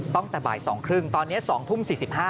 ตั้งแต่บ่าย๒๓๐ตอนนี้๒ทุ่ม๔๕